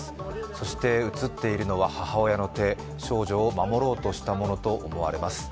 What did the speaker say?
そして映っているのは母親の手少女を守ろうとしたと思われます。